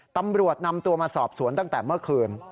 ตำรวจนำตัวมาสอบสวนตั้งแต่เมื่อคืน